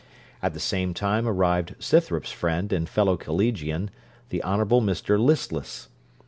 At the same time arrived Scythrop's friend and fellow collegian, the Honourable Mr Listless.